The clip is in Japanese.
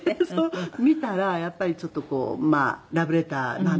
見たらやっぱりちょっとこうまあラブレターなんですよ。